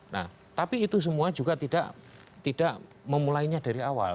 nah tapi itu semua juga tidak memulainya dari awal